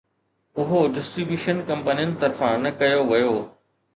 اهو ڊسٽريبيوشن ڪمپنين طرفان نه ڪيو ويو